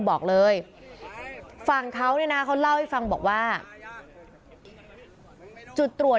มีกล้วยติดอยู่ใต้ท้องเดี๋ยวพี่ขอบคุณ